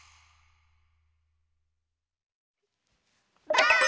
ばあっ！